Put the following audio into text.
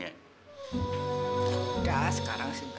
yaudah sekarang sih